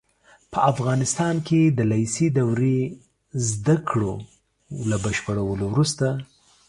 په افغانستان کې د لېسې دورې زده کړو له بشپړولو وروسته